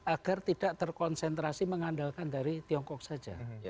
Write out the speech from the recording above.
agar tidak terkonsentrasi mengandalkan dari tiongkok saja